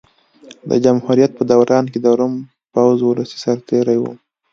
د جمهوریت په دوران کې د روم پوځ ولسي سرتېري وو